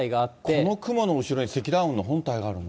この雲の後ろに積乱雲の本体があるんだ。